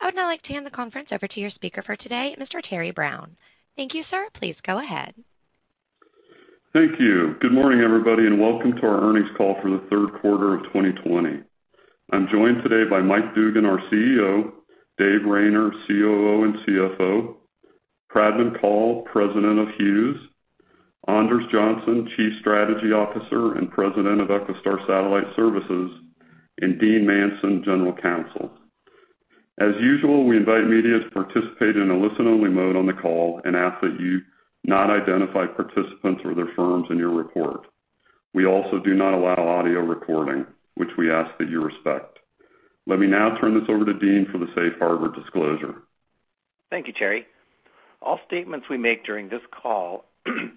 I would now like to hand the conference over to your speaker for today, Mr. Terry Brown. Thank you, sir. Please go ahead. Thank you. Good morning, everybody, and welcome to our earnings call for the third quarter of 2020. I'm joined today by Mike Dugan, our CEO. Dave Rayner, COO and CFO. Pradman Kaul, President of Hughes. Anders Johnson, Chief Strategy Officer and President of EchoStar Satellite Services, and Dean Manson, General Counsel. As usual, we invite media to participate in a listen-only mode on the call and ask that you not identify participants or their firms in your report. We also do not allow audio recording, which we ask that you respect. Let me now turn this over to Dean for the safe harbor disclosure. Thank you, Terry. All statements we make during this call,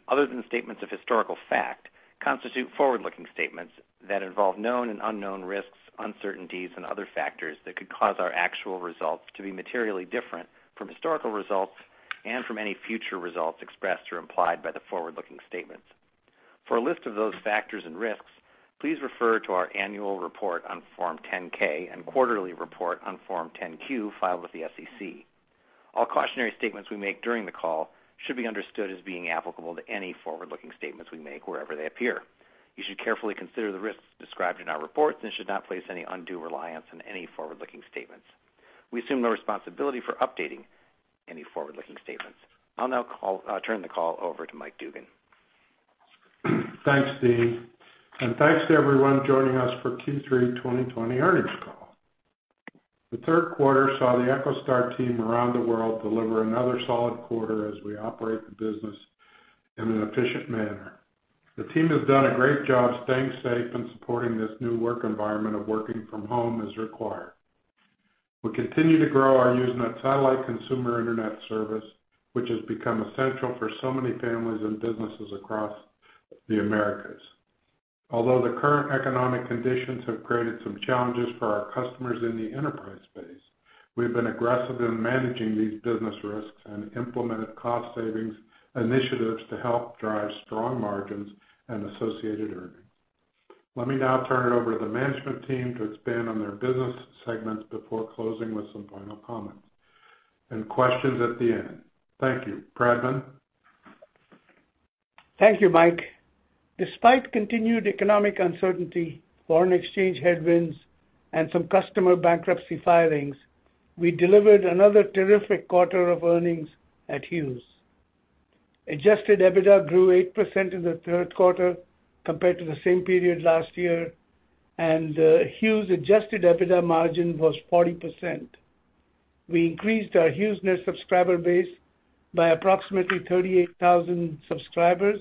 other than statements of historical fact, constitute forward-looking statements that involve known and unknown risks, uncertainties, and other factors that could cause our actual results to be materially different from historical results and from any future results expressed or implied by the forward-looking statements. For a list of those factors and risks, please refer to our annual report on Form 10-K and quarterly report on Form 10-Q filed with the SEC. All cautionary statements we make during the call should be understood as being applicable to any forward-looking statements we make wherever they appear. You should carefully consider the risks described in our reports and should not place any undue reliance on any forward-looking statements. We assume no responsibility for updating any forward-looking statements. I'll now turn the call over to Mike Dugan. Thanks, Dean, thanks to everyone joining us for Q3 2020 earnings call. The third quarter saw the EchoStar team around the world deliver another solid quarter as we operate the business in an efficient manner. The team has done a great job staying safe and supporting this new work environment of working from home as required. We continue to grow our HughesNet satellite consumer internet service, which has become essential for so many families and businesses across the Americas. Although the current economic conditions have created some challenges for our customers in the enterprise space, we've been aggressive in managing these business risks and implemented cost savings initiatives to help drive strong margins and associated earnings. Let me now turn it over to the management team to expand on their business segments before closing with some final comments and questions at the end. Thank you. Pradman. Thank you, Mike. Despite continued economic uncertainty, foreign exchange headwinds, and some customer bankruptcy filings, we delivered another terrific quarter of earnings at Hughes. Adjusted EBITDA grew 8% in the third quarter compared to the same period last year, and Hughes adjusted EBITDA margin was 40%. We increased our HughesNet subscriber base by approximately 38,000 subscribers,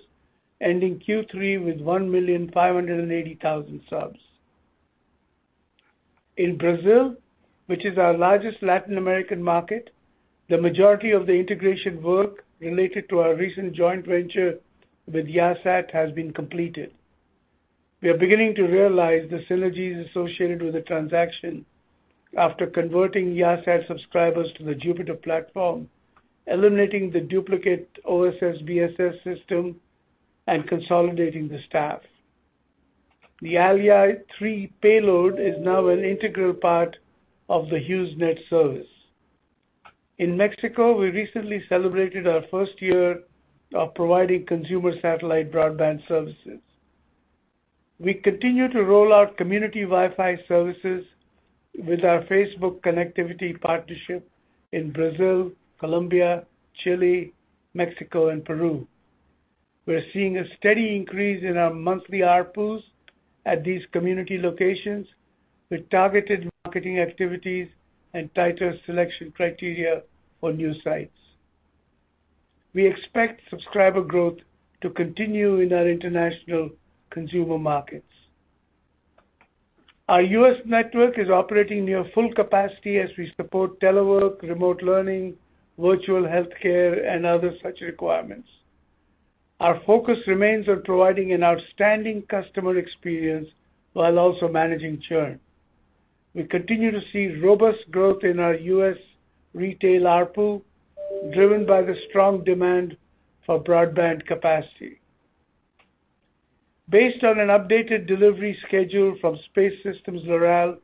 ending Q3 with 1,580,000 subs. In Brazil, which is our largest Latin American market, the majority of the integration work related to our recent joint venture with Yahsat has been completed. We are beginning to realize the synergies associated with the transaction after converting Yahsat subscribers to the JUPITER platform, eliminating the duplicate OSS/BSS system, and consolidating the staff. The Al Yah 3 payload is now an integral part of the HughesNet service. In Mexico, we recently celebrated our first year of providing consumer satellite broadband services. We continue to roll out community Wi-Fi services with our Facebook Connectivity partnership in Brazil, Colombia, Chile, Mexico, and Peru. We're seeing a steady increase in our monthly ARPU at these community locations with targeted marketing activities and tighter selection criteria for new sites. We expect subscriber growth to continue in our international consumer markets. Our U.S. network is operating near full capacity as we support telework, remote learning, virtual healthcare, and other such requirements. Our focus remains on providing an outstanding customer experience while also managing churn. We continue to see robust growth in our U.S. retail ARPU, driven by the strong demand for broadband capacity. Based on an updated delivery schedule from Space Systems/Loral,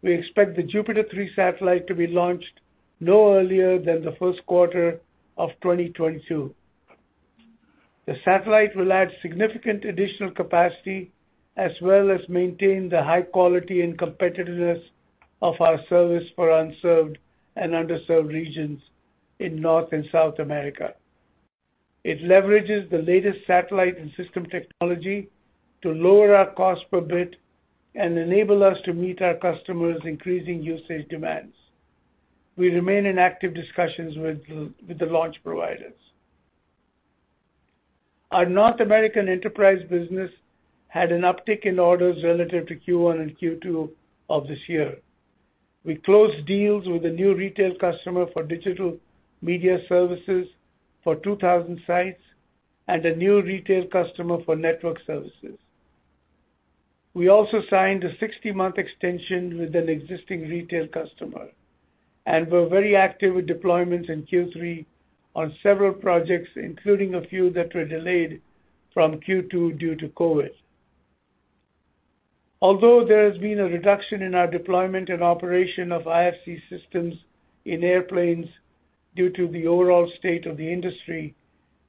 we expect the Jupiter 3 satellite to be launched no earlier than the first quarter of 2022. The satellite will add significant additional capacity as well as maintain the high quality and competitiveness of our service for unserved and underserved regions in North and South America. It leverages the latest satellite and system technology to lower our cost per bit and enable us to meet our customers' increasing usage demands. We remain in active discussions with the launch providers. Our North American enterprise business had an uptick in orders relative to Q1 and Q2 of this year. We closed deals with a new retail customer for digital media services for 2,000 sites and a new retail customer for network services. We also signed a 60-month extension with an existing retail customer, and we're very active with deployments in Q3 on several projects, including a few that were delayed from Q2 due to COVID. Although there has been a reduction in our deployment and operation of IFC systems in airplanes due to the overall state of the industry,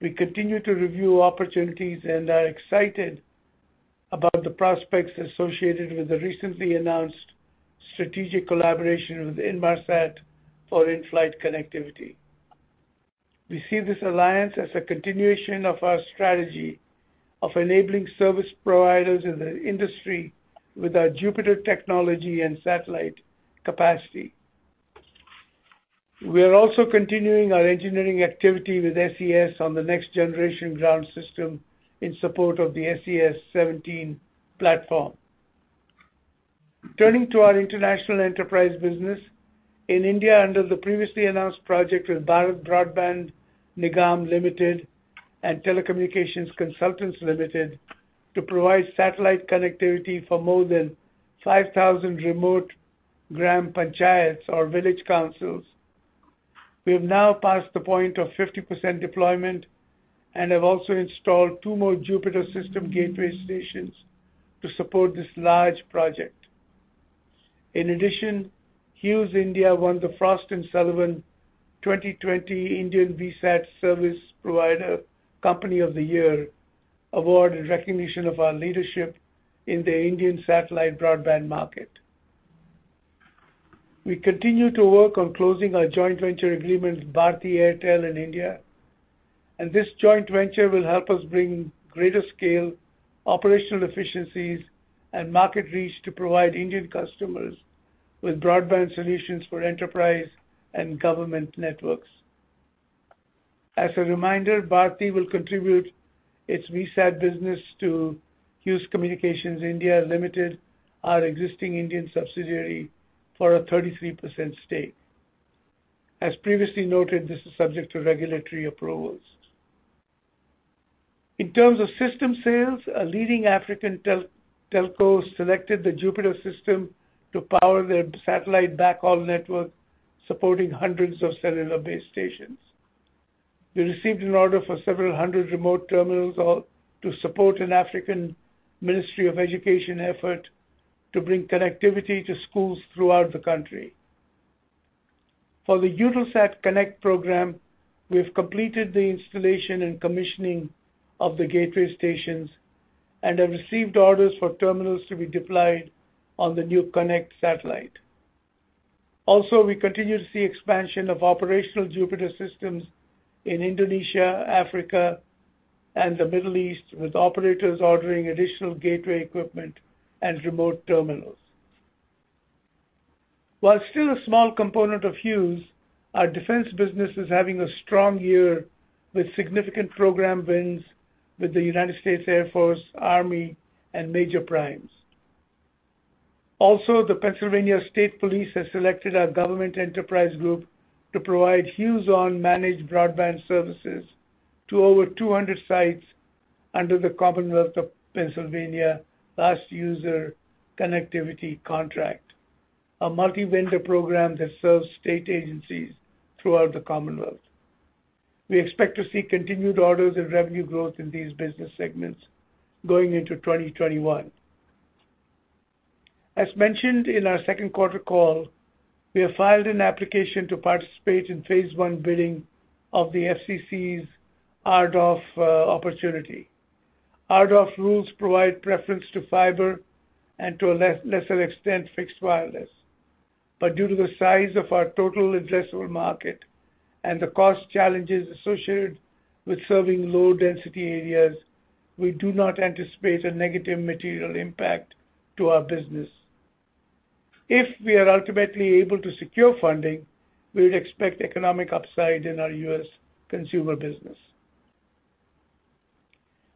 we continue to review opportunities and are excited about the prospects associated with the recently announced strategic collaboration with Inmarsat for in-flight connectivity. We see this alliance as a continuation of our strategy of enabling service providers in the industry with our JUPITER technology and satellite capacity. We are also continuing our engineering activity with SES on the next generation ground system in support of the SES-17 platform. Turning to our international enterprise business. In India, under the previously announced project with Bharat Broadband Nigam Limited and Telecommunications Consultants India Limited to provide satellite connectivity for more than 5,000 remote gram panchayats or village councils. We have now passed the point of 50% deployment and have also installed two more JUPITER system gateway stations to support this large project. In addition, Hughes India won the Frost & Sullivan 2020 Indian VSAT Service Provider Company of the Year award in recognition of our leadership in the Indian satellite broadband market. We continue to work on closing our joint venture agreement with Bharti Airtel in India, and this joint venture will help us bring greater scale, operational efficiencies, and market reach to provide Indian customers with broadband solutions for enterprise and government networks. As a reminder, Bharti will contribute its VSAT business to Hughes Communications India Limited, our existing Indian subsidiary, for a 33% stake. As previously noted, this is subject to regulatory approvals. In terms of system sales, a leading African telco selected the JUPITER system to power their satellite backhaul network, supporting hundreds of cellular base stations. We received an order for several hundred remote terminals to support an African Ministry of Education effort to bring connectivity to schools throughout the country. For the Eutelsat Konnect program, we have completed the installation and commissioning of the gateway stations and have received orders for terminals to be deployed on the new Konnect satellite. We continue to see expansion of operational JUPITER systems in Indonesia, Africa, and the Middle East, with operators ordering additional gateway equipment and remote terminals. While still a small component of Hughes, our defense business is having a strong year with significant program wins with the United States Air Force, Army, and major primes. The Pennsylvania State Police have selected our government enterprise group to provide HughesON Managed broadband services to over 200 sites under the Commonwealth of Pennsylvania Last User Connectivity contract, a multi-vendor program that serves state agencies throughout the Commonwealth. We expect to see continued orders and revenue growth in these business segments going into 2021. Mentioned in our second quarter call, we have filed an application to participate in phase 1 bidding of the FCC's RDOF opportunity. RDOF rules provide preference to fiber and, to a lesser extent, fixed wireless. But due to the size of our total addressable market and the cost challenges associated with serving low-density areas, we do not anticipate a negative material impact to our business. If we are ultimately able to secure funding, we would expect economic upside in our U.S. consumer business.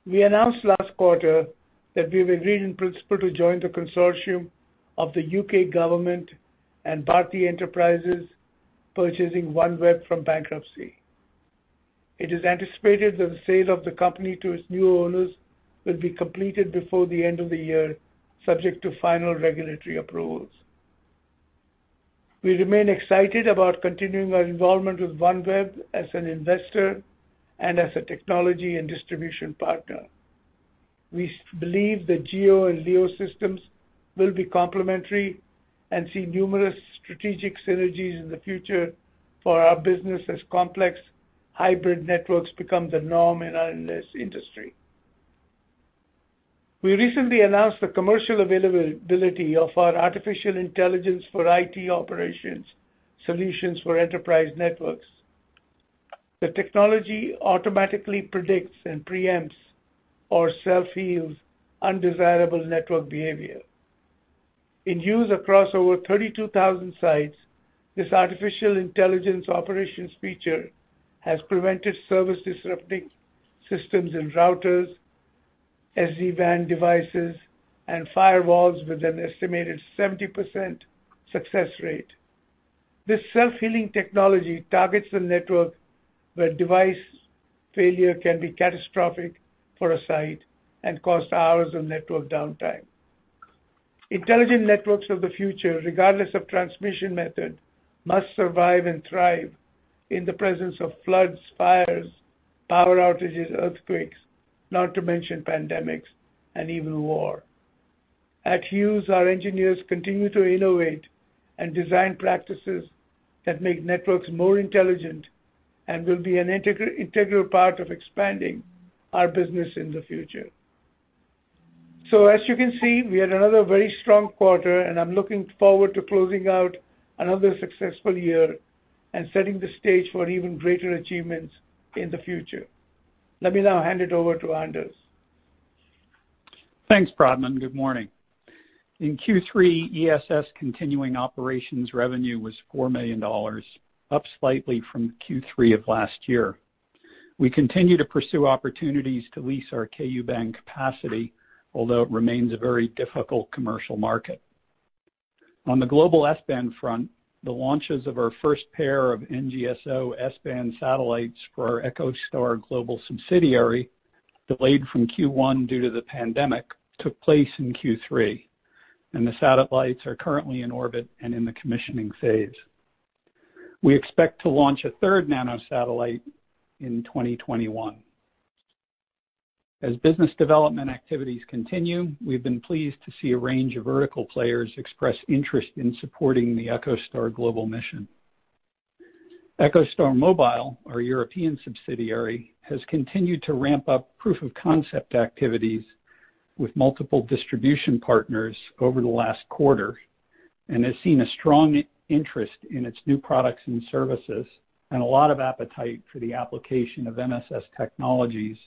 We announced last quarter that we've agreed in principle to join the consortium of the U.K. government and Bharti Enterprises, purchasing OneWeb from bankruptcy. It is anticipated that the sale of the company to its new owners will be completed before the end of the year, subject to final regulatory approvals. We remain excited about continuing our involvement with OneWeb as an investor and as a technology and distribution partner. We believe the GEO and LEO systems will be complementary and see numerous strategic synergies in the future for our business as complex hybrid networks become the norm in our industry. We recently announced the commercial availability of our artificial intelligence for IT operations solutions for enterprise networks. The technology automatically predicts and preempts or self-heals undesirable network behavior. In use across over 32,000 sites, this artificial intelligence operations feature has prevented service-disrupting systems in routers, SD-WAN devices, and firewalls with an estimated 70% success rate. This self-healing technology targets the network where device failure can be catastrophic for a site and cost hours of network downtime. Intelligent networks of the future, regardless of transmission method, must survive and thrive in the presence of floods, fires, power outages, earthquakes, not to mention pandemics and even war. At Hughes, our engineers continue to innovate and design practices that make networks more intelligent and will be an integral part of expanding our business in the future. As you can see, we had another very strong quarter, and I'm looking forward to closing out another successful year and setting the stage for even greater achievements in the future. Let me now hand it over to Anders. Thanks, Pradman. Good morning. In Q3, ESS continuing operations revenue was $4 million, up slightly from Q3 of last year. We continue to pursue opportunities to lease our Ku-band capacity, although it remains a very difficult commercial market. On the global S-band front, the launches of our first pair of NGSO S-band satellites for our EchoStar Global subsidiary, delayed from Q1 due to the pandemic, took place in Q3. The satellites are currently in orbit and in the commissioning phase. We expect to launch a third nanosatellite in 2021. As business development activities continue, we've been pleased to see a range of vertical players express interest in supporting the EchoStar Global mission. EchoStar Mobile, our European subsidiary, has continued to ramp up proof-of-concept activities with multiple distribution partners over the last quarter and has seen a strong interest in its new products and services and a lot of appetite for the application of MSS technologies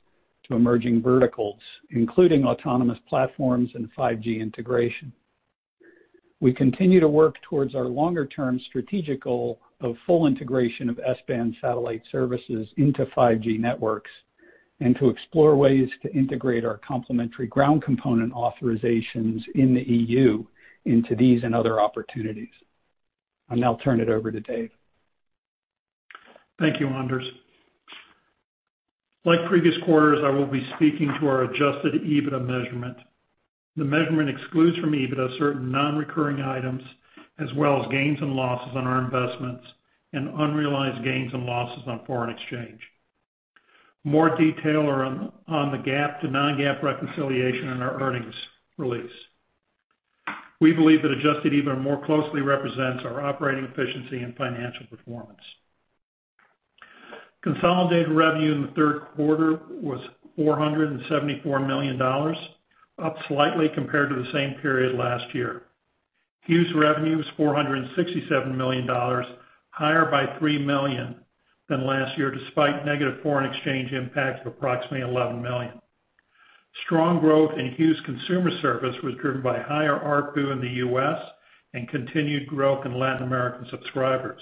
to emerging verticals, including autonomous platforms and 5G integration. We continue to work towards our longer-term strategic goal of full integration of S-band satellite services into 5G networks and to explore ways to integrate our complementary ground component authorizations in the EU into these and other opportunities. I'll now turn it over to Dave. Thank you, Anders. Like previous quarters, I will be speaking to our adjusted EBITDA measurement. The measurement excludes from EBITDA certain non-recurring items, as well as gains and losses on our investments and unrealized gains and losses on foreign exchange. More detail are on the GAAP to non-GAAP reconciliation in our earnings release. We believe that adjusted EBITDA more closely represents our operating efficiency and financial performance. Consolidated revenue in the third quarter was $474 million, up slightly compared to the same period last year. Hughes revenue was $467 million, higher by $3 million than last year, despite negative foreign exchange impact of approximately $11 million. Strong growth in Hughes Consumer Service was driven by higher ARPU in the U.S. and continued growth in Latin American subscribers.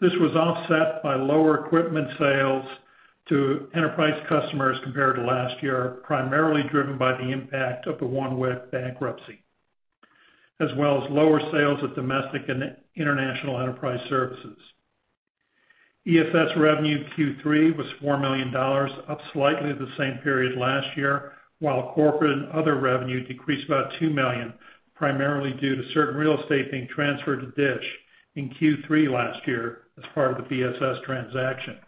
This was offset by lower equipment sales to enterprise customers compared to last year, primarily driven by the impact of the OneWeb bankruptcy, as well as lower sales of domestic and international enterprise services. ESS revenue in Q3 was $4 million, up slightly the same period last year, while corporate and other revenue decreased about $2 million, primarily due to certain real estate being transferred to Dish in Q3 last year as part of the Viasat transaction.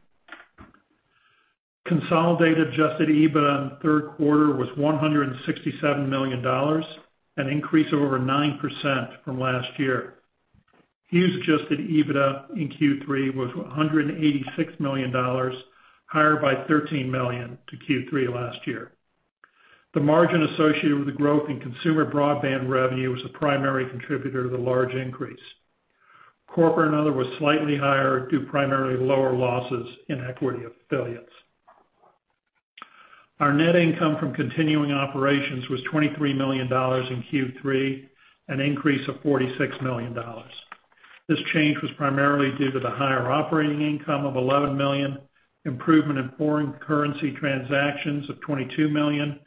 Consolidated adjusted EBITDA in the third quarter was $167 million, an increase of over 9% from last year. Hughes adjusted EBITDA in Q3 was $186 million, higher by $13 million to Q3 last year. The margin associated with the growth in consumer broadband revenue was a primary contributor to the large increase. Corporate and other was slightly higher due primarily to lower losses in equity affiliates. Our net income from continuing operations was $23 million in Q3, an increase of $46 million. This change was primarily due to the higher operating income of $11 million, improvement in foreign currency transactions of $22 million,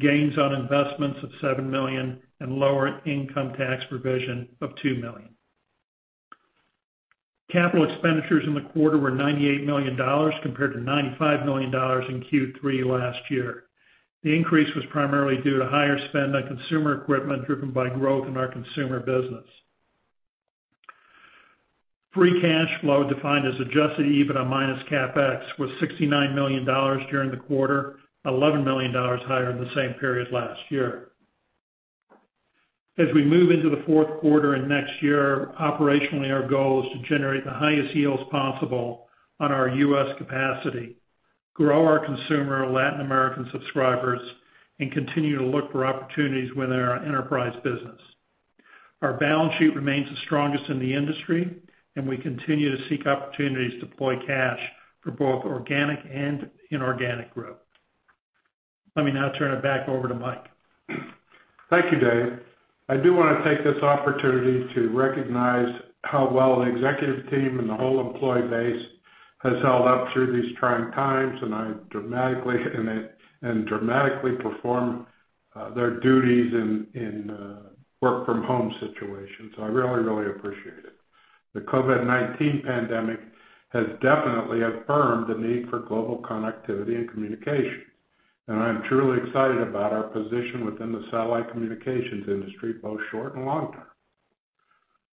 gains on investments of $7 million, and lower income tax provision of $2 million. Capital expenditures in the quarter were $98 million compared to $95 million in Q3 last year. The increase was primarily due to higher spend on consumer equipment driven by growth in our consumer business. Free cash flow, defined as adjusted EBITDA minus CapEx, was $69 million during the quarter, $11 million higher than the same period last year. As we move into the fourth quarter and next year, operationally, our goal is to generate the highest yields possible on our U.S. capacity, grow our consumer Latin American subscribers, and continue to look for opportunities within our enterprise business. Our balance sheet remains the strongest in the industry, and we continue to seek opportunities to deploy cash for both organic and inorganic growth. Let me now turn it back over to Mike. Thank you, Dave. I do want to take this opportunity to recognize how well the executive team and the whole employee base has held up through these trying times and dramatically performed their duties in work from home situations. I really appreciate it. The COVID-19 pandemic has definitely affirmed the need for global connectivity and communication, and I'm truly excited about our position within the satellite communications industry, both short and long term.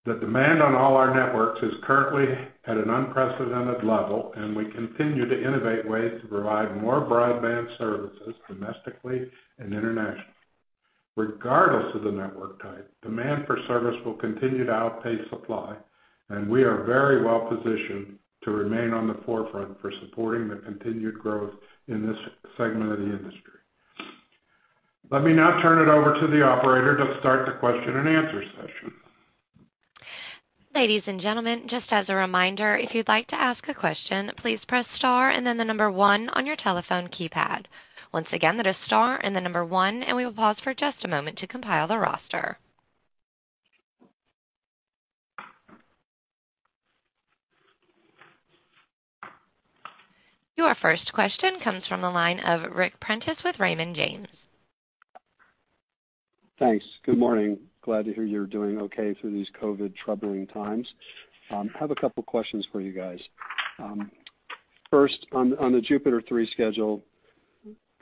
The demand on all our networks is currently at an unprecedented level, and we continue to innovate ways to provide more broadband services domestically and internationally. Regardless of the network type, demand for service will continue to outpace supply, and we are very well positioned to remain on the forefront for supporting the continued growth in this segment of the industry. Let me now turn it over to the operator to start the question and answer session. Your first question comes from the line of Ric Prentiss with Raymond James. Thanks. Good morning. Glad to hear you're doing okay through these COVID troubling times. I have a couple questions for you guys. First, on the Jupiter 3 schedule,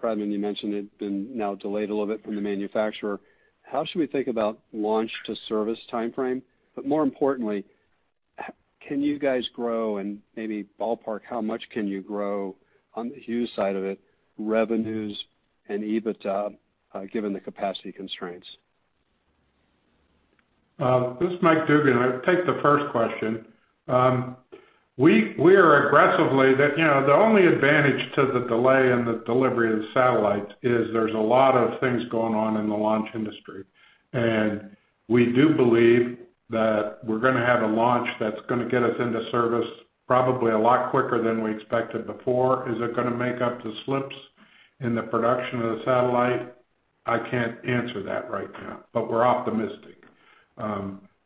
Pradman, you mentioned it's been now delayed a little bit from the manufacturer. How should we think about launch to service timeframe? More importantly, can you guys grow and maybe ballpark how much can you grow on the Hughes side of it, revenues and EBITDA, given the capacity constraints? This is Michael Dugan. I'll take the first question. The only advantage to the delay in the delivery of the satellites is there's a lot of things going on in the launch industry, and we do believe that we're going to have a launch that's going to get us into service probably a lot quicker than we expected before. Is it going to make up the slips in the production of the satellite? I can't answer that right now, but we're optimistic.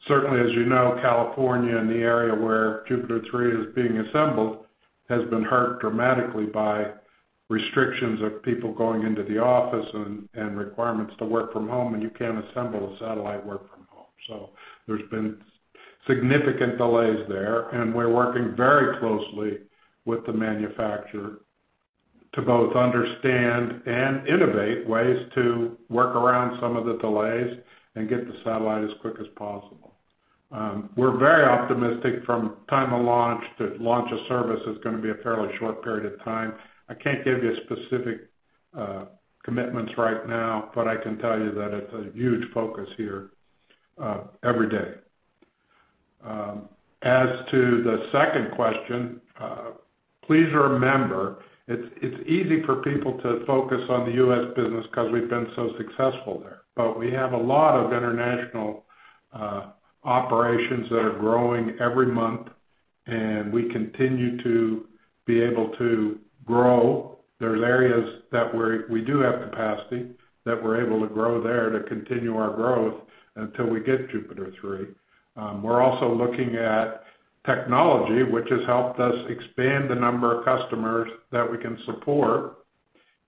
Certainly, as you know, California and the area where Jupiter 3 is being assembled has been hurt dramatically by restrictions of people going into the office and requirements to work from home, and you can't assemble a satellite work from home. There's been significant delays there, and we're working very closely with the manufacturer to both understand and innovate ways to work around some of the delays and get the satellite as quick as possible. We're very optimistic from time of launch to launch of service is going to be a fairly short period of time. I can't give you specific commitments right now, but I can tell you that it's a huge focus here every day. As to the second question, please remember, it's easy for people to focus on the U.S. business because we've been so successful there. We have a lot of international operations that are growing every month, and we continue to be able to grow. There's areas that we do have capacity that we're able to grow there to continue our growth until we get Jupiter 3. We're also looking at technology which has helped us expand the number of customers that we can support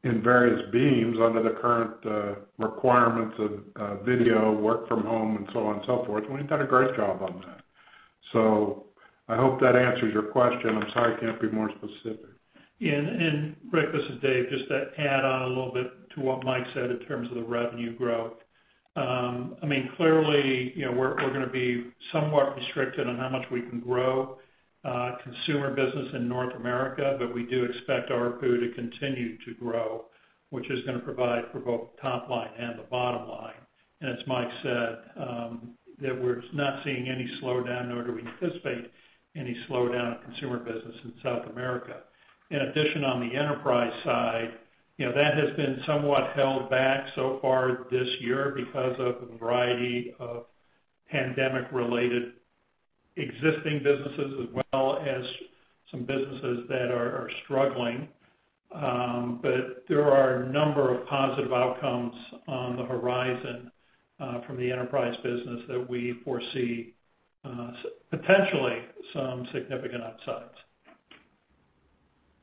in various beams under the current requirements of video, work from home, and so on and so forth. We've done a great job on that. I hope that answers your question. I'm sorry I can't be more specific. Ric, this is Dave, just to add on a little bit to what Mike said in terms of the revenue growth. Clearly, we're going to be somewhat restricted on how much we can grow consumer business in North America, but we do expect ARPU to continue to grow, which is going to provide for both top line and the bottom line. As Mike said, that we're not seeing any slowdown, nor do we anticipate any slowdown in consumer business in South America. In addition, on the enterprise side, that has been somewhat held back so far this year because of the variety of pandemic related existing businesses as well as some businesses that are struggling. There are a number of positive outcomes on the horizon from the enterprise business that we foresee potentially some significant upsides.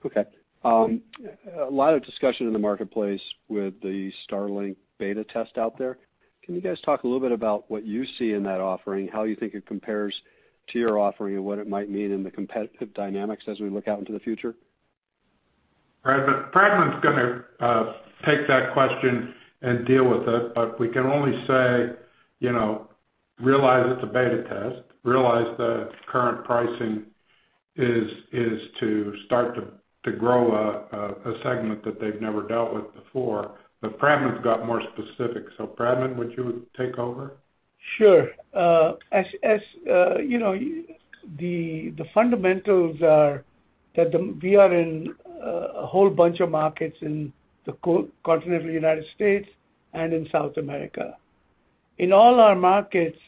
Okay. A lot of discussion in the marketplace with the Starlink beta test out there. Can you guys talk a little bit about what you see in that offering, how you think it compares to your offering and what it might mean in the competitive dynamics as we look out into the future? Pradman's going to take that question and deal with it. We can only say, realize it's a beta test. Realize that current pricing is to start to grow a segment that they've never dealt with before. Pradman's got more specific. Pradman, would you take over? Sure. The fundamentals are that we are in a whole bunch of markets in the continental U.S. and in South America. In all our markets,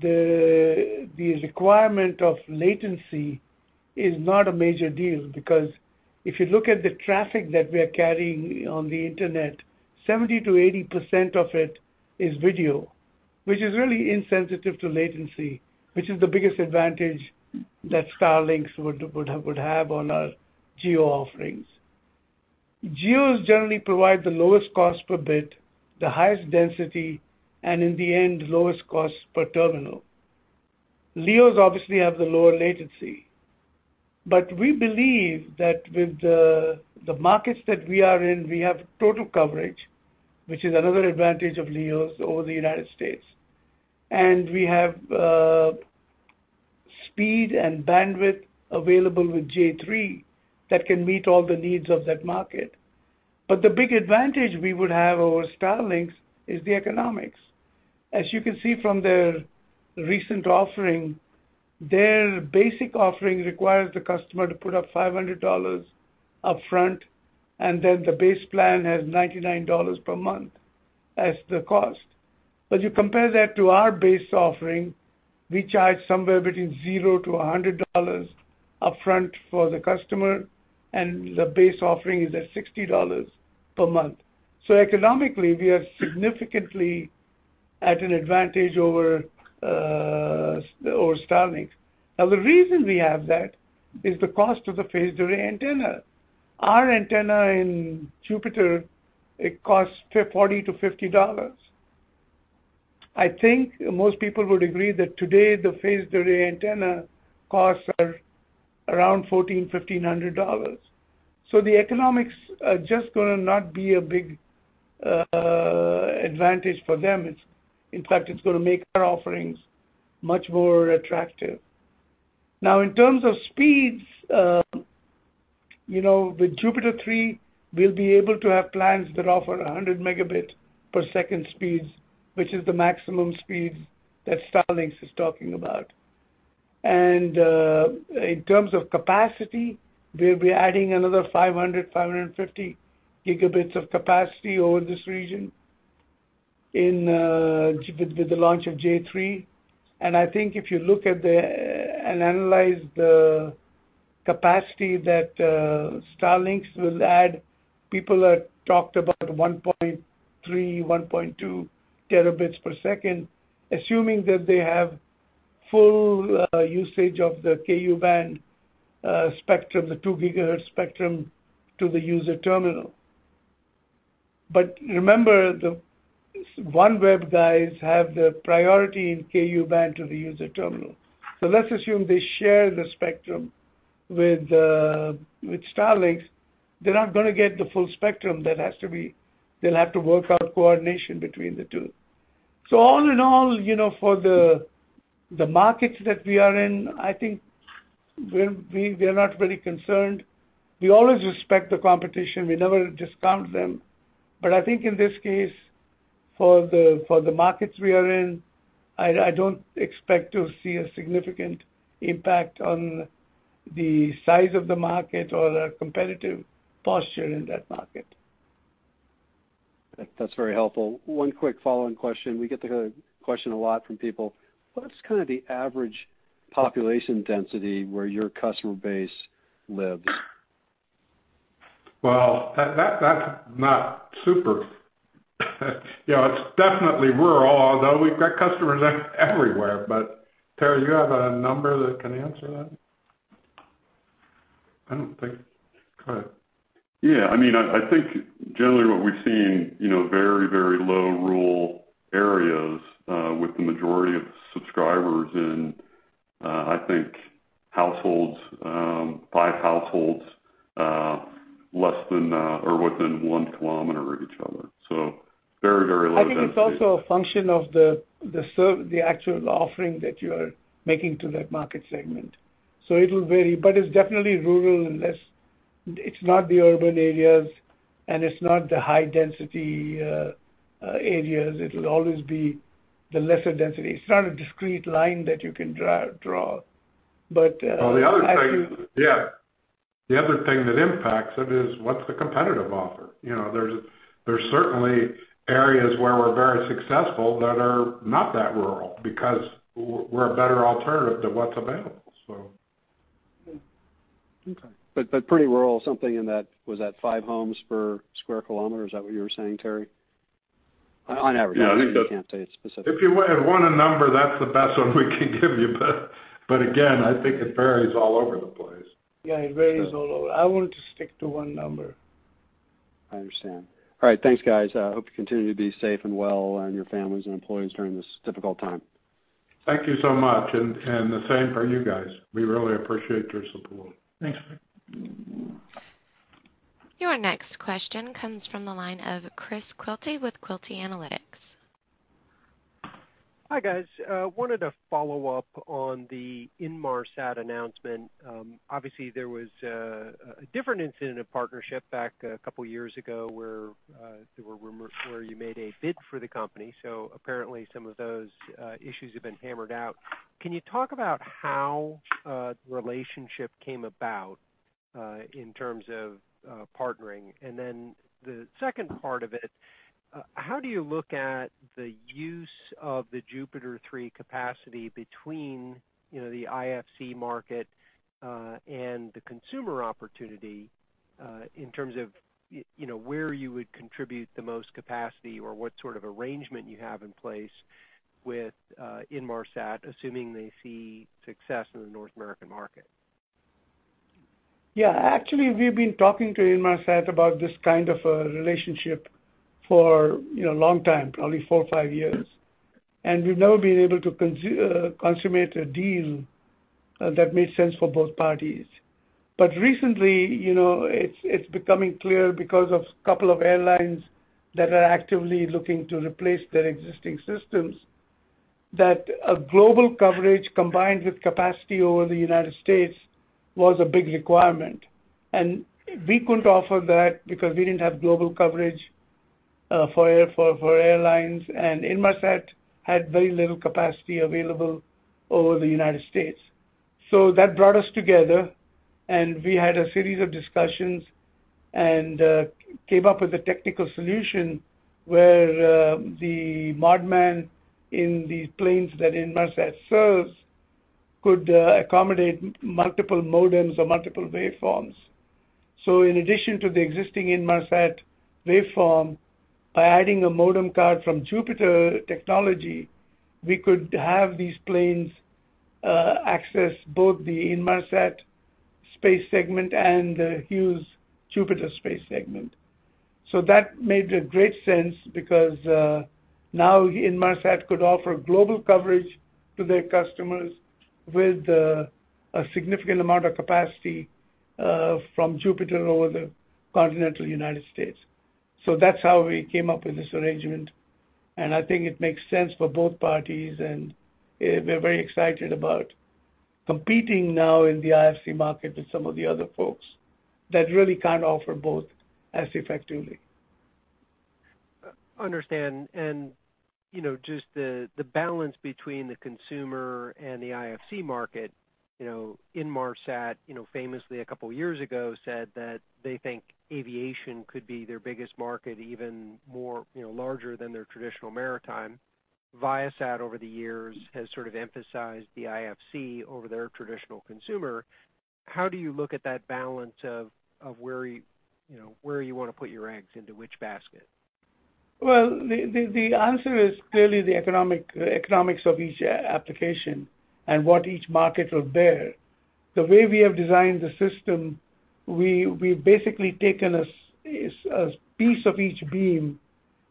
the requirement of latency is not a major deal because if you look at the traffic that we are carrying on the internet, 70%-80% of it is video, which is really insensitive to latency, which is the biggest advantage that Starlink would have on our GEO offerings. GEOs generally provide the lowest cost per bit, the highest density, and in the end, lowest cost per terminal. LEOs obviously have the lower latency. We believe that with the markets that we are in, we have total coverage, which is another advantage of LEOs over the U.S. We have speed and bandwidth available with J3 that can meet all the needs of that market. The big advantage we would have over Starlink is the economics. As you can see from their recent offering, their basic offering requires the customer to put up $500 up front, and then the base plan has $99 per month as the cost. You compare that to our base offering, we charge somewhere between zero to $100 upfront for the customer, and the base offering is at $60 per month. Economically, we are significantly at an advantage over Starlink. The reason we have that is the cost of the phased array antenna. Our antenna in JUPITER, it costs $40-$50. I think most people would agree that today the phased array antenna costs are around $1,400, $1,500. The economics are just going to not be a big advantage for them. In fact, it's going to make our offerings much more attractive. In terms of speeds, with Jupiter 3, we'll be able to have plans that offer 100 Mbps speeds, which is the maximum speeds that Starlink is talking about. In terms of capacity, we'll be adding another 500, 550 Gb of capacity over this region with the launch of J3. I think if you look at and analyze the capacity that Starlink will add, people have talked about 1.3, 1.2 Tbps, assuming that they have full usage of the Ku-band spectrum, the 2GHz spectrum to the user terminal. Remember, the OneWeb guys have the priority in Ku-band to the user terminal. Let's assume they share the spectrum with Starlink. They're not going to get the full spectrum. They'll have to work out coordination between the two. All in all, for the markets that we are in, I think we are not very concerned. We always respect the competition. We never discount them. I think in this case, for the markets we are in, I don't expect to see a significant impact on the size of the market or our competitive posture in that market. That's very helpful. One quick follow-on question. We get the question a lot from people. What's kind of the average population density where your customer base lives? Well, that's not super. It's definitely rural, although we've got customers everywhere. Terry, do you have a number that can answer that? I don't think. Go ahead. Yeah. I think generally what we've seen, very low rural areas, with the majority of subscribers in, I think, five households, less than or within one km of each other. Very low density. I think it's also a function of the actual offering that you are making to that market segment. It'll vary, but it's definitely rural and less. It's not the urban areas, and it's not the high-density areas. It'll always be the lesser density. It's not a discrete line that you can draw. Well, the other thing that impacts it is what's the competitive offer? There's certainly areas where we're very successful that are not that rural because we're a better alternative to what's available. Okay. Pretty rural, something in that, was at five homes per sq km. Is that what you were saying, Terry? On average. Yeah. I think you can't say it specifically. If you want a number, that's the best one we can give you. Again, I think it varies all over the place. Yeah, it varies all over. I wouldn't stick to one number. I understand. All right. Thanks, guys. I hope you continue to be safe and well, and your families and employees during this difficult time. Thank you so much. The same for you guys. We really appreciate your support. Thanks. Your next question comes from the line of Chris Quilty with Quilty Analytics. Hi, guys. Wanted to follow up on the Inmarsat announcement. Obviously, there was a different instance of partnership back a couple of years ago where there were rumors where you made a bid for the company. Apparently, some of those issues have been hammered out. Can you talk about how the relationship came about? In terms of partnering. The second part of it, how do you look at the use of the Jupiter 3 capacity between the IFC market, and the consumer opportunity, in terms of where you would contribute the most capacity or what sort of arrangement you have in place with Inmarsat, assuming they see success in the North American market? Yeah. Actually, we've been talking to Inmarsat about this kind of a relationship for a long time, probably four or five years. We've never been able to consummate a deal that made sense for both parties. Recently, it's becoming clear because of a couple of airlines that are actively looking to replace their existing systems, that a global coverage combined with capacity over the United States was a big requirement. We couldn't offer that because we didn't have global coverage, for airlines, and Inmarsat had very little capacity available over the United States. That brought us together, and we had a series of discussions and, came up with a technical solution where the modem in the planes that Inmarsat serves could accommodate multiple modems or multiple waveforms. In addition to the existing Inmarsat waveform, by adding a modem card from JUPITER, we could have these planes access both the Inmarsat space segment and the Hughes JUPITER space segment. That made great sense because, now Inmarsat could offer global coverage to their customers with a significant amount of capacity from JUPITER over the continental U.S. That's how we came up with this arrangement, and I think it makes sense for both parties, and we're very excited about competing now in the IFC market with some of the other folks that really can't offer both as effectively. Understand. Just the balance between the consumer and the IFC market? Inmarsat famously a couple of years ago said that they think aviation could be their biggest market, even larger than their traditional maritime. Viasat over the years has sort of emphasized the IFC over their traditional consumer. How do you look at that balance of where you want to put your eggs, into which basket? Well, the answer is clearly the economics of each application and what each market will bear. The way we have designed the system, we've basically taken a piece of each beam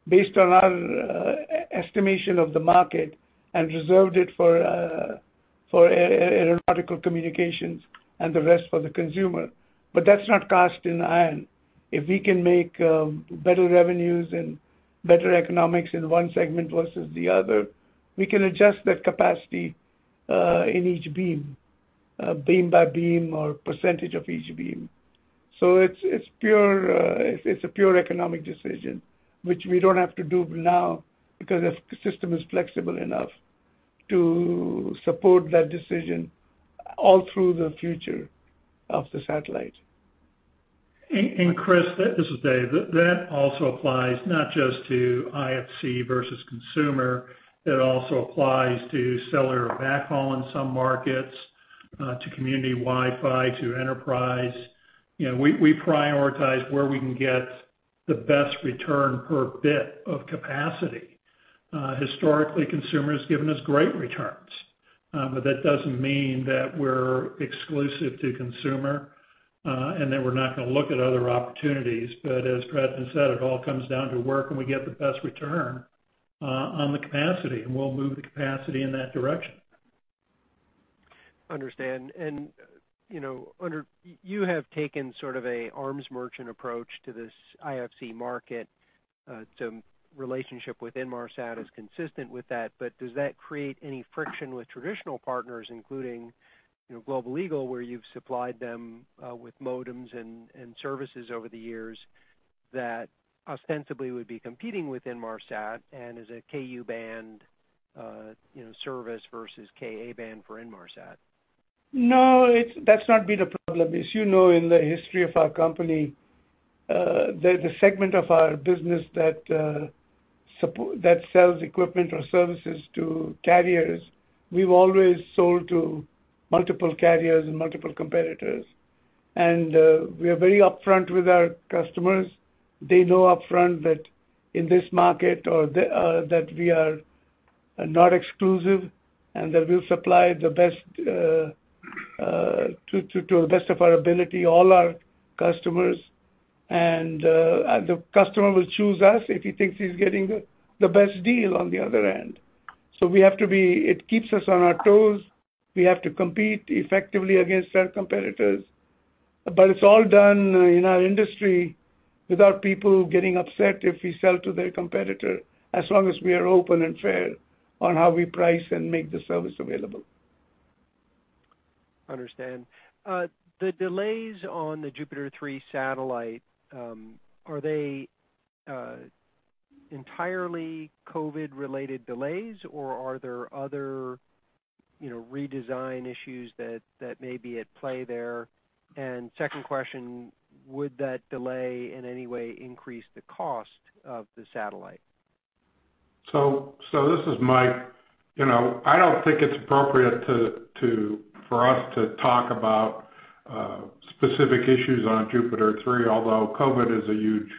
based on our estimation of the market and reserved it for aeronautical communications and the rest for the consumer. That's not cast in iron. If we can make better revenues and better economics in one segment versus the other, we can adjust that capacity, in each beam by beam or percentage of each beam. It's a pure economic decision, which we don't have to do now because the system is flexible enough to support that decision all through the future of the satellite. Chris, this is Dave. That also applies not just to IFC versus consumer. It also applies to seller backhaul in some markets, to community Wi-Fi, to enterprise. We prioritize where we can get the best return per bit of capacity. Historically, consumer has given us great returns. That doesn't mean that we're exclusive to consumer, and that we're not going to look at other opportunities. As Prad has said, it all comes down to where can we get the best return on the capacity, and we'll move the capacity in that direction. Understand. You have taken sort of a arms merchant approach to this IFC market, relationship with Inmarsat is consistent with that. Does that create any friction with traditional partners, including Global Eagle, where you've supplied them with modems and services over the years that ostensibly would be competing with Inmarsat and as a Ku-band service versus Ka-band for Inmarsat? No, that's not been a problem. As you know, in the history of our company, the segment of our business that sells equipment or services to carriers, we've always sold to multiple carriers and multiple competitors. We are very upfront with our customers. They know upfront that in this market that we are not exclusive and that we'll supply to the best of our ability, all our customers. The customer will choose us if he thinks he's getting the best deal on the other end. It keeps us on our toes. We have to compete effectively against our competitors. It's all done in our industry without people getting upset if we sell to their competitor, as long as we are open and fair on how we price and make the service available. Understand. The delays on the Jupiter 3 satellite, Entirely COVID related delays, or are there other redesign issues that may be at play there? Second question, would that delay in any way increase the cost of the satellite? This is Mike. I don't think it's appropriate for us to talk about specific issues on Jupiter 3, although COVID is a huge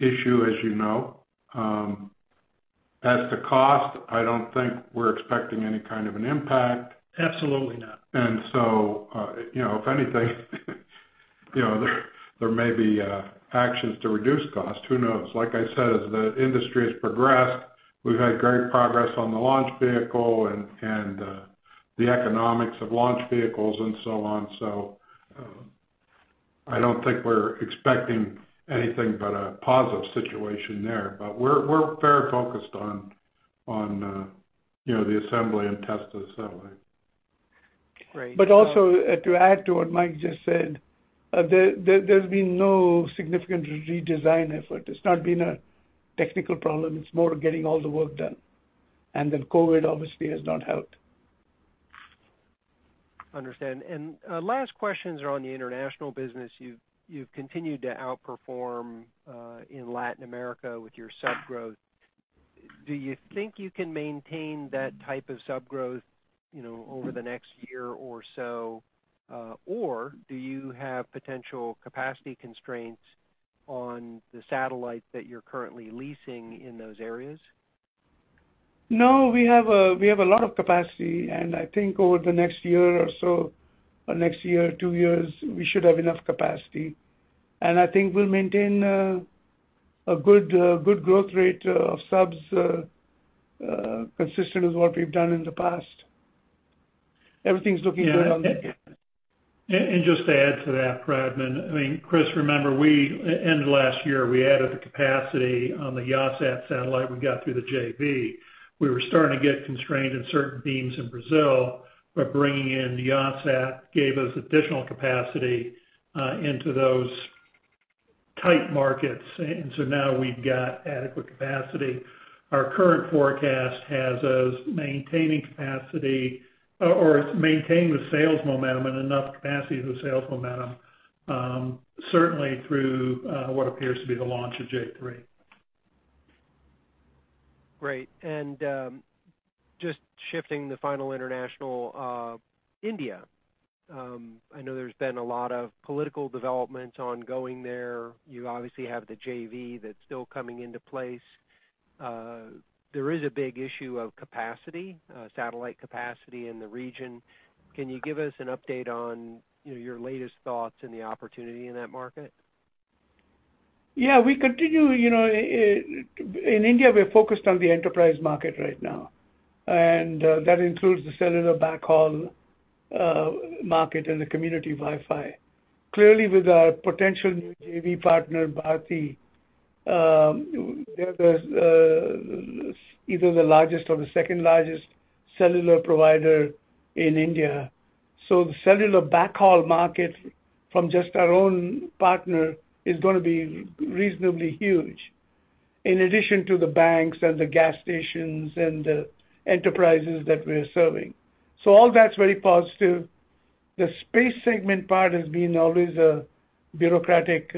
issue, as you know. As to cost, I don't think we're expecting any kind of an impact. Absolutely not. If anything, there may be actions to reduce cost, who knows? Like I said, as the industry has progressed, we've had great progress on the launch vehicle and the economics of launch vehicles and so on. I don't think we're expecting anything but a positive situation there. We're very focused on the assembly and test of the satellite. Great. Also, to add to what Mike just said, there's been no significant redesign effort. It's not been a technical problem. It's more of getting all the work done. COVID, obviously, has not helped. Understand. Last question is around the international business. You've continued to outperform in Latin America with your sub growth. Do you think you can maintain that type of sub growth over the next year or so, or do you have potential capacity constraints on the satellite that you're currently leasing in those areas? No, we have a lot of capacity, and I think over the next year or so, or next year, two years, we should have enough capacity. I think we'll maintain a good growth rate of subs, consistent with what we've done in the past. Everything's looking good on that. Just to add to that, Pradman, I mean, Chris, remember, end of last year, we added the capacity on the Yahsat satellite we got through the JV. We were starting to get constrained in certain beams in Brazil, but bringing in Yahsat gave us additional capacity into those tight markets. Now we've got adequate capacity. Our current forecast has us maintaining capacity or maintaining the sales momentum and enough capacity for the sales momentum, certainly through what appears to be the launch of J3. Great. Just shifting the final international, India. I know there's been a lot of political developments ongoing there. You obviously have the JV that's still coming into place. There is a big issue of capacity, satellite capacity in the region. Can you give us an update on your latest thoughts and the opportunity in that market? In India, we are focused on the enterprise market right now, and that includes the cellular backhaul market and the community Wi-Fi. Clearly, with our potential new JV partner, Bharti, they're either the largest or the second-largest cellular provider in India. The cellular backhaul market from just our own partner is going to be reasonably huge, in addition to the banks and the gas stations and the enterprises that we are serving. The space segment part has been always a bureaucratic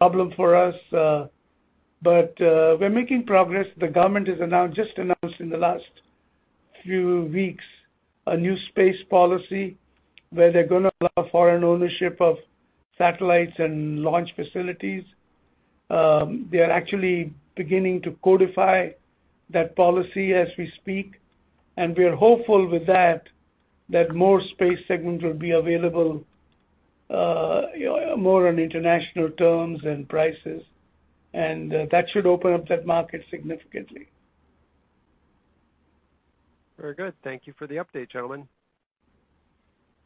problem for us, but we're making progress. The government has just announced in the last few weeks a new space policy where they're going to allow foreign ownership of satellites and launch facilities. They are actually beginning to codify that policy as we speak. We are hopeful with that more space segments will be available more on international terms and prices. That should open up that market significantly. Very good. Thank you for the update, gentlemen.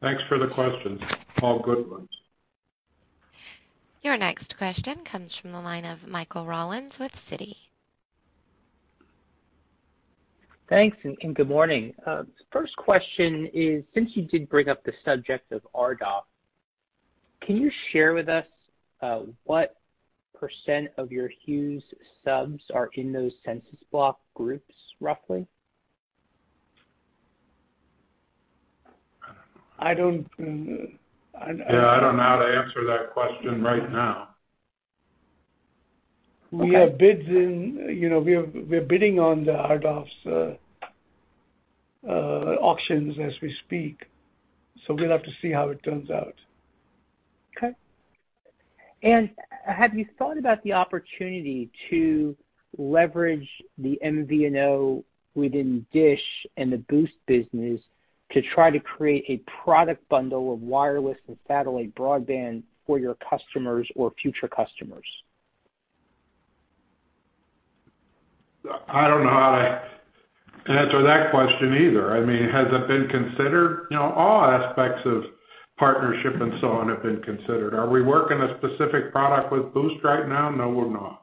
Thanks for the questions. All good ones. Your next question comes from the line of Michael Rollins with Citi. Thanks, good morning. First question is, since you did bring up the subject of RDOF, can you share with us what percent of your Hughes subs are in those census block groups, roughly? I don't know. I don't know how to answer that question right now. Okay. We're bidding on the RDOF's auctions as we speak, so we'll have to see how it turns out. Okay. Have you thought about the opportunity to leverage the MVNO within Dish and the Boost business to try to create a product bundle of wireless and satellite broadband for your customers or future customers? I don't know how to answer that question either. I mean, has it been considered? All aspects of partnership and so on have been considered. Are we working a specific product with Boost right now? No, we're not.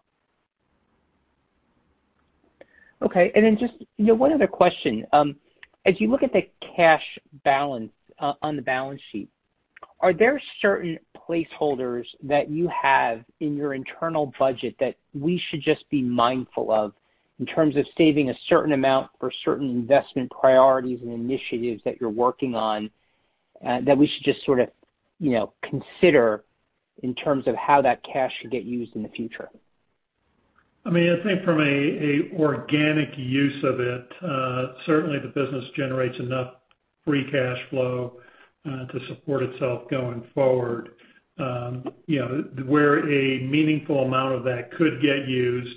Okay. Just one other question. As you look at the cash balance on the balance sheet, are there certain placeholders that you have in your internal budget that we should just be mindful of in terms of saving a certain amount for certain investment priorities and initiatives that you're working on, that we should just sort of consider in terms of how that cash should get used in the future? I think from a organic use of it, certainly the business generates enough free cash flow to support itself going forward. Where a meaningful amount of that could get used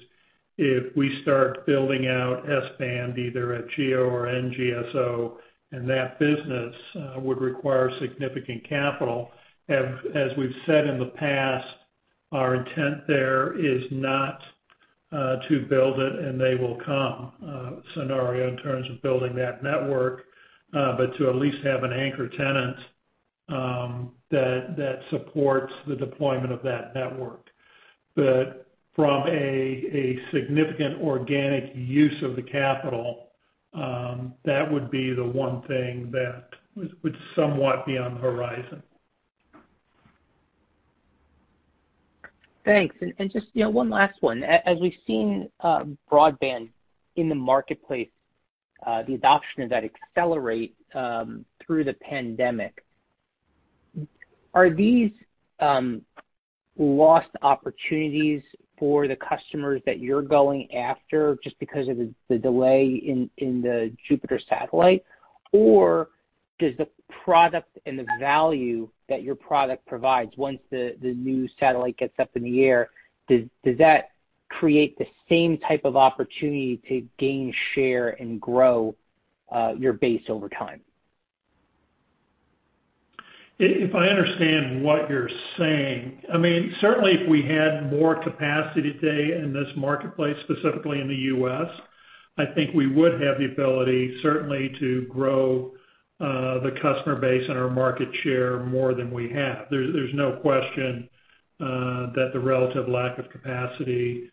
if we start building out S-band, either at GEO or NGSO, and that business would require significant capital. As we've said in the past, our intent there is not to build it and they will come, scenario in terms of building that network, but to at least have an anchor tenant that supports the deployment of that network. From a significant organic use of the capital, that would be the one thing that would somewhat be on the horizon. Thanks. Just one last one. As we've seen broadband in the marketplace, the adoption of that accelerate through the pandemic, are these lost opportunities for the customers that you're going after just because of the delay in the Jupiter satellite? Does the product and the value that your product provides once the new satellite gets up in the air, does that create the same type of opportunity to gain share and grow your base over time? If I understand what you're saying, certainly if we had more capacity today in this marketplace, specifically in the U.S., I think we would have the ability, certainly, to grow the customer base and our market share more than we have. There's no question that the relative lack of capacity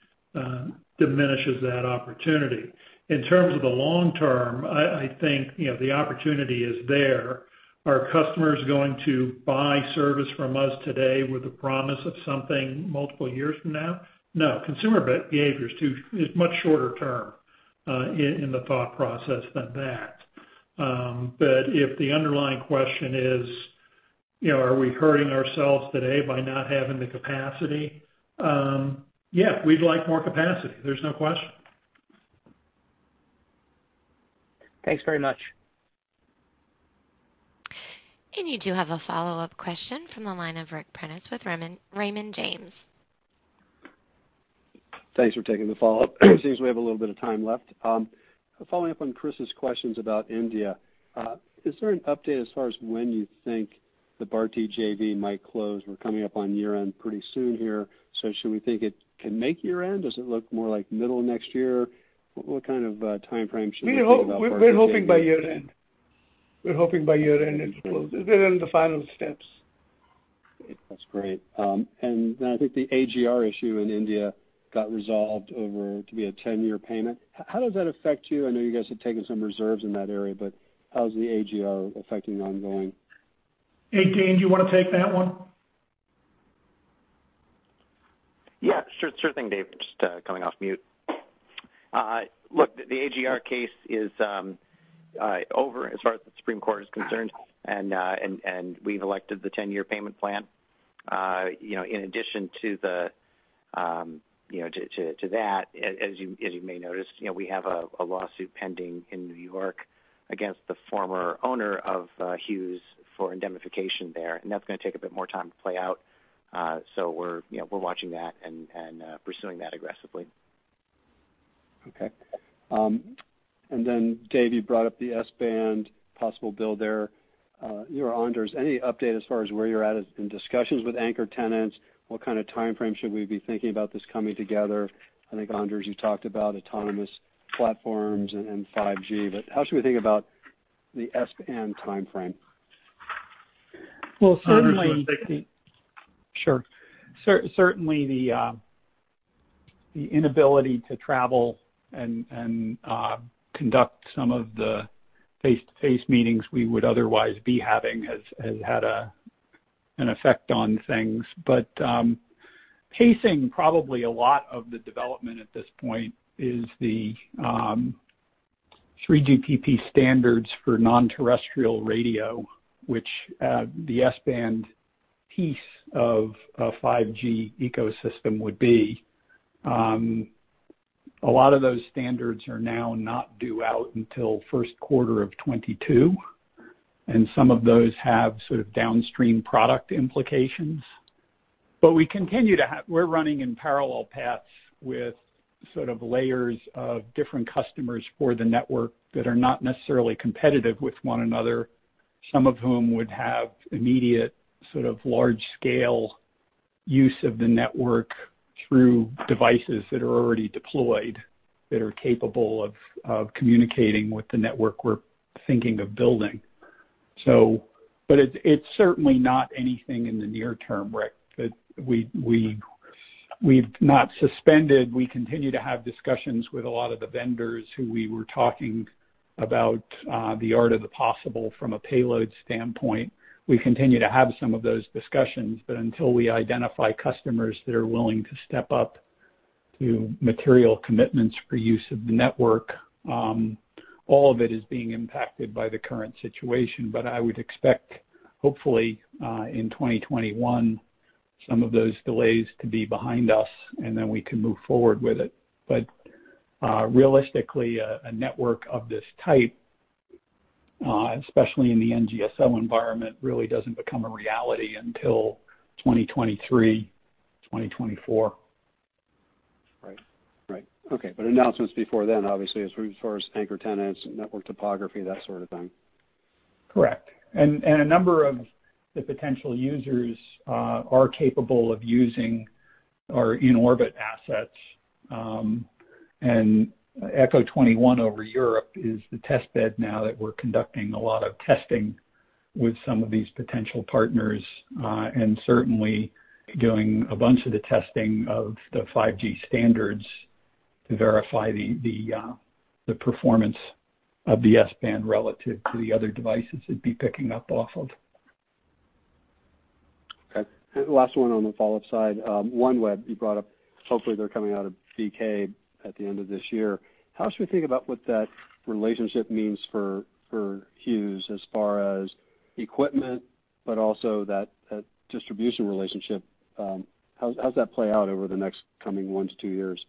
diminishes that opportunity. In terms of the long term, I think, the opportunity is there. Are customers going to buy service from us today with the promise of something multiple years from now? No. Consumer behavior is much shorter term in the thought process than that. If the underlying question is, are we hurting ourselves today by not having the capacity? Yeah. We'd like more capacity. There's no question. Thanks very much. You do have a follow-up question from the line of Ric Prentiss with Raymond James. Thanks for taking the follow-up. It seems we have a little bit of time left. Following up on Chris's questions about India. Is there an update as far as when you think the Bharti JV might close? We're coming up on year-end pretty soon here. Should we think it can make year-end? Does it look more like middle of next year? What kind of timeframe should we be thinking about for this JV? We're hoping by year-end. We're hoping by year-end it will. They're in the final steps. That's great. I think the AGR issue in India got resolved over to be a 10-year payment. How does that affect you? I know you guys have taken some reserves in that area, but how is the AGR affecting ongoing? Dean, do you want to take that one? Yeah, sure thing, Dave. Just coming off mute. Look, the AGR case is over as far as the Supreme Court is concerned. We've elected the 10-year payment plan. In addition to that, as you may notice, we have a lawsuit pending in New York against the former owner of Hughes for indemnification there, and that's going to take a bit more time to play out. So we're watching that and pursuing that aggressively. Okay. Dave, you brought up the S-band possible build there. You or Anders, any update as far as where you're at in discussions with anchor tenants? What kind of timeframe should we be thinking about this coming together? I think, Anders, you talked about autonomous platforms and 5G, but how should we think about the S-band timeframe? Well, certainly. Anders, do you want to take it? Sure. Certainly, the inability to travel and conduct some of the face-to-face meetings we would otherwise be having has had an effect on things. Pacing probably a lot of the development at this point is the 3GPP standards for non-terrestrial radio, which the S-band piece of a 5G ecosystem would be. A lot of those standards are now not due out until first quarter of 2022, and some of those have sort of downstream product implications. We're running in parallel paths with sort of layers of different customers for the network that are not necessarily competitive with one another, some of whom would have immediate, sort of large scale use of the network through devices that are already deployed, that are capable of communicating with the network we're thinking of building. It's certainly not anything in the near term, Ric. We've not suspended. We continue to have discussions with a lot of the vendors who we were talking about, the art of the possible from a payload standpoint. We continue to have some of those discussions, but until we identify customers that are willing to step up to material commitments for use of the network, all of it is being impacted by the current situation. I would expect, hopefully, in 2021, some of those delays to be behind us, and then we can move forward with it. Realistically, a network of this type, especially in the NGSO environment, really doesn't become a reality until 2023, 2024. Right. Okay. Announcements before then, obviously, as far as anchor tenants and network topography, that sort of thing. Correct. A number of the potential users are capable of using our in-orbit assets. EchoStar XXI over Europe is the test bed now that we're conducting a lot of testing with some of these potential partners, certainly doing a bunch of the testing of the 5G standards to verify the performance of the S-band relative to the other devices it'd be picking up off of. Okay. Last one on the follow-up side. OneWeb, you brought up, hopefully they're coming out of BK at the end of this year. How should we think about what that relationship means for Hughes as far as equipment, but also that distribution relationship? How does that play out over the next coming one to two years?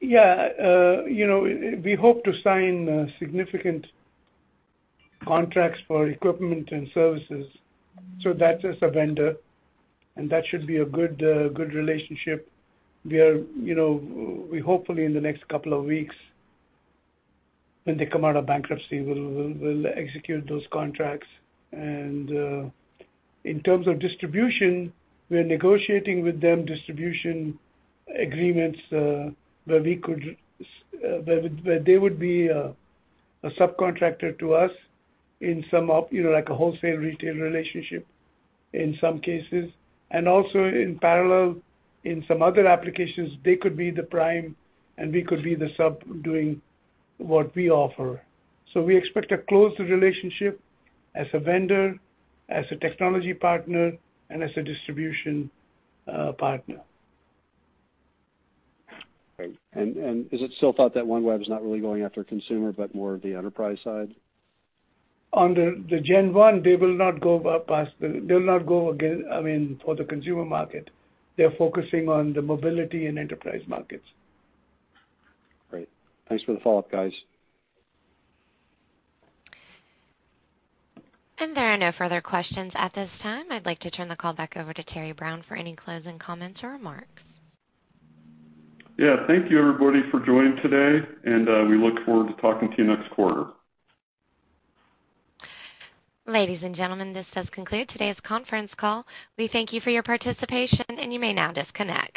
Yeah. We hope to sign significant contracts for equipment and services, so that as a vendor, that should be a good relationship. We hopefully in the next couple of weeks, when they come out of bankruptcy, we'll execute those contracts. In terms of distribution, we're negotiating with them distribution agreements, where they would be a subcontractor to us in like a wholesale-retail relationship in some cases. Also in parallel, in some other applications, they could be the prime and we could be the sub doing what we offer. We expect a closer relationship as a vendor, as a technology partner, and as a distribution partner. Great. Is it still thought that OneWeb is not really going after consumer, but more the enterprise side? Under the Gen 1, they will not go for the consumer market. They're focusing on the mobility and enterprise markets. Great. Thanks for the follow-up, guys. There are no further questions at this time. I'd like to turn the call back over to Terry Brown for any closing comments or remarks. Yeah. Thank you everybody for joining today, and we look forward to talking to you next quarter. Ladies and gentlemen, this does conclude today's conference call. We thank you for your participation, and you may now disconnect.